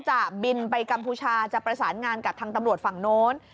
จะบินไปกัมพูชาจะประสานงานกับทางตำรวจฝั่งโน้น